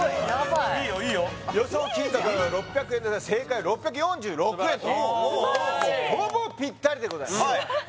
いいよいいよ予想金額が６００円で正解は６４６円というほぼぴったりでございます素晴らしい！